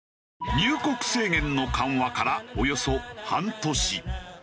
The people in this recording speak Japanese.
入国制限の緩和からおよそ半年。